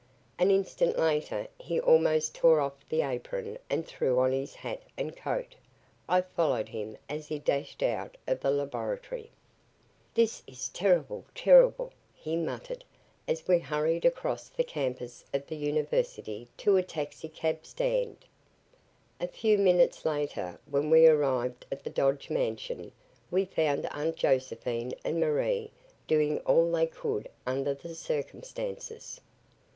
An instant later he almost tore off the apron and threw on his hat and coat. I followed him as he dashed out of the laboratory. "This is terrible terrible," he muttered, as we hurried across the campus of the University to a taxi cab stand. A few minutes later, when we arrived at the Dodge mansion, we found Aunt Josephine and Marie doing all they could under the circumstances.